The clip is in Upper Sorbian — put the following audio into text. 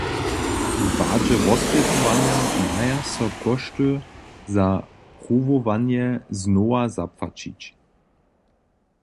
W padźe wospjetowanja maja so kóšty za pruwowanje znowa zapłaćić.